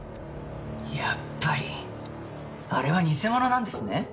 やっぱりあれは偽物なんですね？